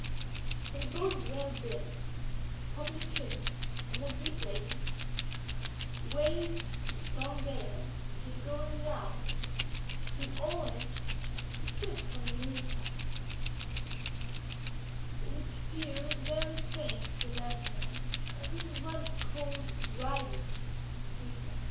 _ "When a boat is well built, properly trimmed, and not deep laden, the waves in a strong gale, when she is going large, seem always to slip from beneath her which appears very strange to a landsman and this is what is called riding in sea phrase.